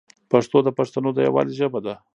پښتو د پښتنو د یووالي ژبه ده.